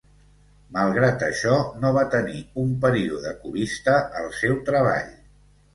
Malgrat això, no va tenir un període cubista al seu treball.